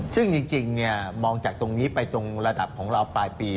ซึ่งจริงมองจากตรงนี้ไปตรงระดับของเราปลายปี